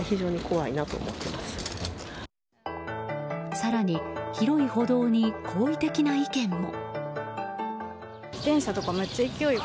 更に、広い歩道に好意的な意見も。